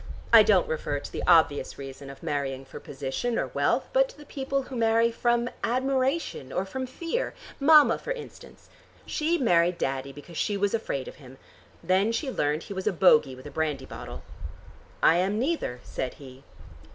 I don't refer to the obvious reason of marrying for position or wealth, but to the people who marry from admiration or from fear. Mama, for instance: she married Daddy because she was afraid of him. Then she learned he was a bogey with a brandy bottle." "I am neither," said he.